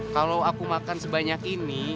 kalau aku makan sebanyak ini